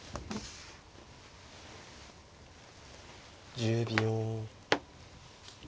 １０秒。